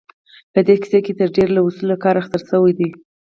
په دې کيسه کې تر ډېره له اصولو کار اخيستل شوی دی.